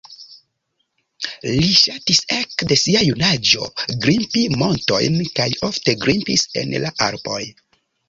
Li ŝatis ekde sia junaĝo grimpi montojn kaj ofte grimpis en la Alpoj.